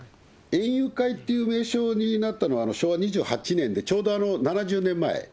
園遊会っていう名称になったのは、昭和２８年で、ちょうど７０年前。